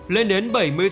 lên đến bảy mươi sáu bảy